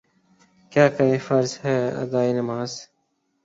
کیا کریں فرض ہے ادائے نماز